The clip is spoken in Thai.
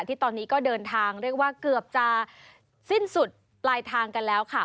ที่ตอนนี้ก็เดินทางเรียกว่าเกือบจะสิ้นสุดปลายทางกันแล้วค่ะ